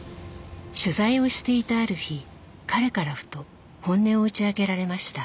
取材をしていたある日彼からふと本音を打ち明けられました。